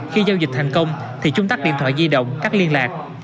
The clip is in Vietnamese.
khi giao dịch thành công thì chúng tắt điện thoại di động cắt liên lạc